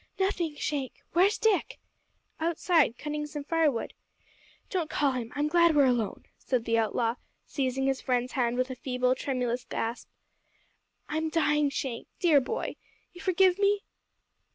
"Nothing, Shank. Where's Dick?" "Outside; cutting some firewood." "Don't call him. I'm glad we are alone," said the outlaw, seizing his friend's hand with a feeble, tremulous grasp. "I'm dying, Shank, dear boy. You forgive me?"